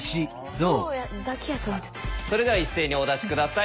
それでは一斉にお出し下さい。